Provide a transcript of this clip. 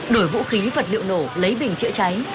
đổi vũ khí vật liệu nổ lấy bình chữa cháy